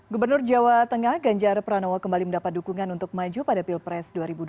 gubernur jawa tengah ganjar pranowo kembali mendapat dukungan untuk maju pada pilpres dua ribu dua puluh